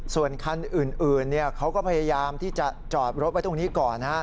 ส่วนคันอื่นเขาก็พยายามที่จะจอดรถไว้ตรงนี้ก่อน